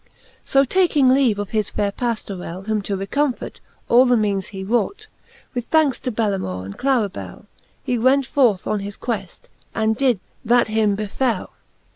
So taking leave of his faire Pajlorell, Whom to recomfort all the meanes he wrought, With thanks to Bellamour and Claribelly He went forth on his queft, and did, that him befell.